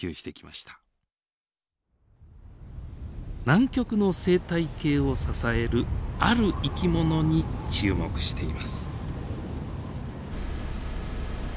南極の生態系を支えるある生き物に注目しています。